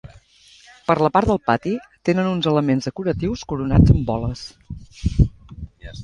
Per la part del pati, tenen uns elements decoratius coronats amb boles.